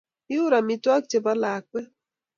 iur amitwogik cho bo lakwet